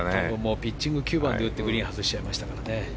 ピッチング９番で打ってグリーン外しちゃいましたからね。